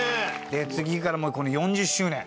次から４０周年。